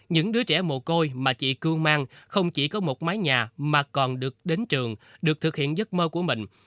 những đứa trẻ mồ côi mà chị cưu mang không chỉ có một mái nhà mà còn được đến trường được thực hiện giấc mơ của mình